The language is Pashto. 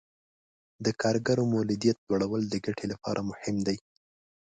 د کارګرو مولدیت لوړول د ګټې لپاره مهم دي.